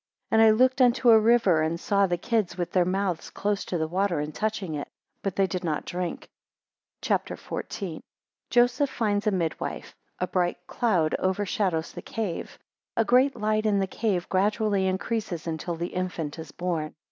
10 And I looked unto a river, and saw the kids with their mouths close to the water, and touching it, but they did not drink. CHAPTER XIV. 1 Joseph finds a midwife. 10 A bright cloud overshadows the cave. 11 A great light in the cave, gradually increases until the infant is born.